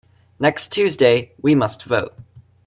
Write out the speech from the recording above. Next Tuesday we must vote.